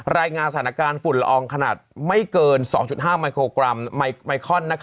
รายงานสถานการณ์ฝุ่นละอองขนาดไม่เกิน๒๕ไมโครกรัมไมคอน